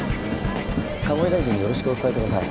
鴨井大臣によろしくお伝えください